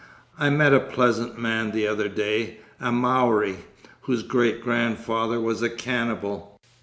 I met a pleasant man the other day, a Maori, whose great grandfather was a cannibal.